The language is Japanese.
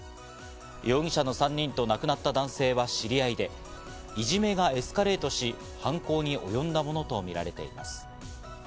容疑者の３人と亡くなった男性は知り合いで、いじめがエスカレートし、犯行におよんだものとみられています。